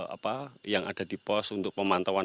apa yang ada di pos untuk memantau dan memadamkan